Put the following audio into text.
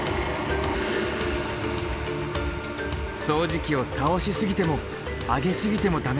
掃除機を倒しすぎても上げすぎても駄目。